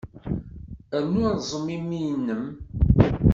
Rnu rẓem imi-nnem.